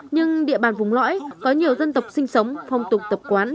nhưng địa bàn vùng lõi có nhiều dân tộc sinh sống phong tục tập quán